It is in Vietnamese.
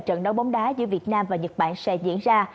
trận đấu bóng đá giữa việt nam và nhật bản sẽ diễn ra